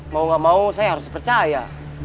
mau gak mau saya harus percaya